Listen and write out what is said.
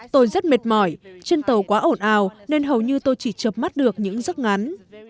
tôi rất mệt mỏi trên tàu quá ồn ào nên hầu như tôi chỉ chập mắt được những giấc ngắn